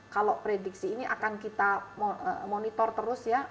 kalau prediksi ini akan kita monitor terus ya